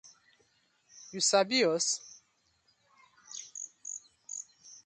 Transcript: Yu sabi us?